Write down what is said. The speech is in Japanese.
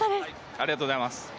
ありがとうございます。